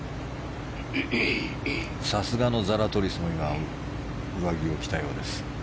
さすがのザラトリスも今、上着を着たようです。